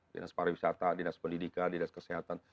dinas para wisata dinas pendidikan dinas kesehatan